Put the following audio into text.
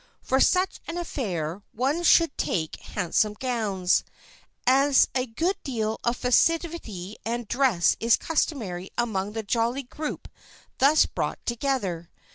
For such an affair one should take handsome gowns, as a good deal of festivity and dress is customary among the jolly group thus brought together.